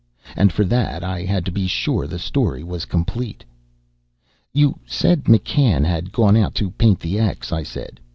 And for that, I had to be sure the story was complete. "You said McCann had gone out to paint the X," I said.